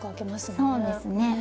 そうですね。